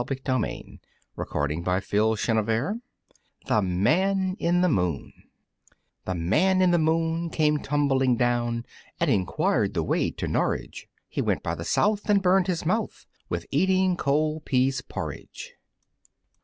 [Illustration: The Man in the Moon] The Man in the Moon The Man in the Moon came tumbling down, And enquired the way to Norwich; He went by the south and burned his mouth With eating cold pease porridge!